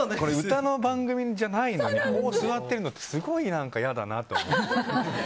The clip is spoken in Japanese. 歌の番組じゃないのでこう座っているのってすごいいやだなって。